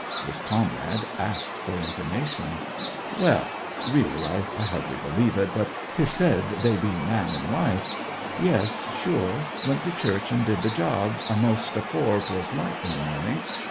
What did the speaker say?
His comrade asked for information. 'Well really I hardly believe it but 'tis said they be man and wife. Yes, sure went to church and did the job a'most afore 'twas light one morning.